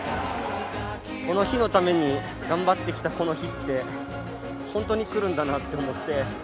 この日のために頑張ってきたこの日って本当にくるんだなと思って。